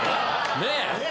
ねえ。